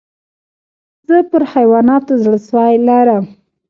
زه پر حیواناتو زړه سوى لرم.